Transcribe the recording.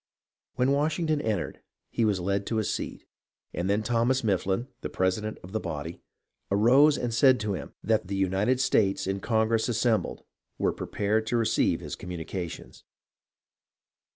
When Washington entered, he was led to a seat, and then Thomas Mifflin, the president of the body, arose and said to him that " the United States in Congress as sembled were prepared to receive his communications."